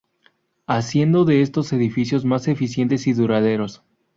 Haciendo de estos edificios más eficientes y duraderos.